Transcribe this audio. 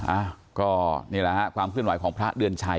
อ้าวก็นี่แหละฮะความเคลื่อนไหวของพระเดือนชัย